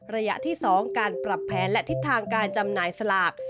ระยะที่๒การปรับแผนและทิศทางการจำหน่ายสลาก